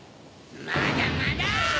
まだまだ！